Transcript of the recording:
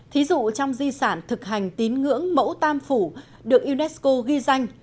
thí dụ trong di sản thực hành tín ngưỡng mẫu tam phủ được unesco ghi danh